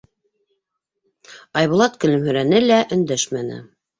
Айбулат көлөмһөрәне лә өндәшмәне.